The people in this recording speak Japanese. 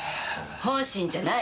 本心じゃない。